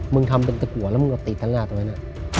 มึงทำเป็นตะกรัวแล้วมึงก็ตีดตั้งหน้าตัวนั้นอะ